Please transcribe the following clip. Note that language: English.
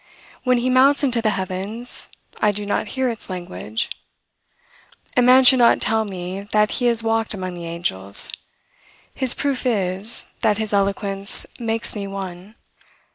When he mounts into the heavens, I do not hear its language. A man should not tell me that he has walked among the angels; his proof is, that his eloquence makes me one.